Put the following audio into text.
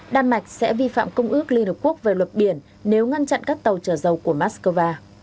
đan mạch sẽ vi phạm công ước liên hợp quốc về luật biển nếu ngăn chặn các tàu trở dầu của moscow